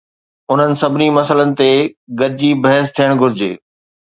انهن سڀني مسئلن تي گڏجي بحث ٿيڻ گهرجي